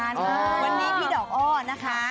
วันนี้พี่ดอกอ้อนะคะ